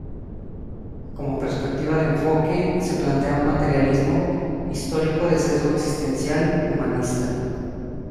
Como perspectiva de enfoque, se plantea un materialismo-histórico de sesgo existencial-humanista.